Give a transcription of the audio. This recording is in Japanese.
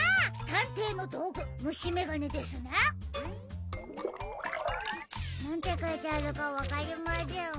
たんていのどうぐむしめがねですね！なんてかいてあるかわかりません。